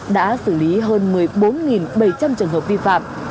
đã xử lý hơn một mươi bốn bảy trăm linh trường hợp vi phạm